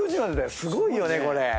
すごいよねこれ。